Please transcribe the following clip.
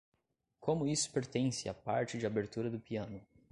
Como isso pertence à parte de abertura do piano?